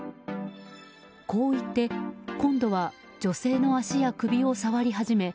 こう言って今度は女性の足や首を触り始め